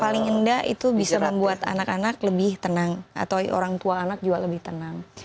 paling indah itu bisa membuat anak anak lebih tenang atau orang tua anak juga lebih tenang